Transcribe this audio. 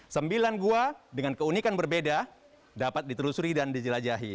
sembilan gua dengan keunikan berbeda dapat ditelusuri dan dijelajahi